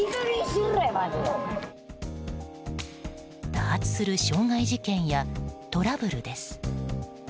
多発する傷害事件やトラブルです。